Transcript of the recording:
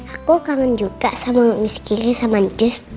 aku kangen juga sama miss kiri sama njus